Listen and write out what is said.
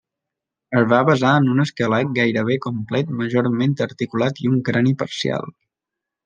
Es va basar en un esquelet gairebé complet majorment articulat i un crani parcial.